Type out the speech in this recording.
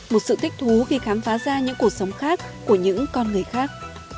một sự thích thú khi khám phá ra những cuộc sống khác của những con người khác